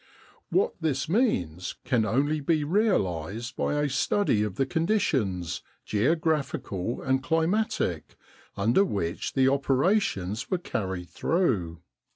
What this means can only be realised by a study of the conditions, geographical and climatic, under which the opera tions were carried through.